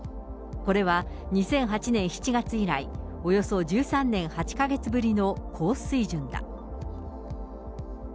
これは、２００８年７月以来、およそ１３年８か月ぶりの高水準だ。